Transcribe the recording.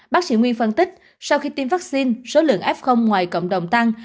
bác sĩ nguyên phân tích sau khi tiêm vaccine số lượng f ngoài cộng đồng tăng